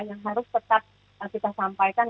yang harus tetap kita sampaikan